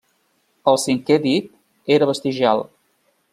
El cinquè dit era vestigial.